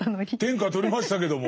天下取りましたけども。